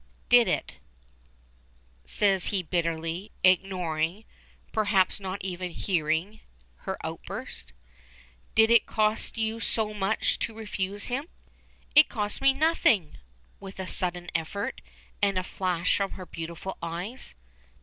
"Did it," says he bitterly, ignoring perhaps not even hearing her outburst. "Did it cost you so much to refuse him?" "It cost me nothing!" with a sudden effort, and a flash from her beautiful eyes.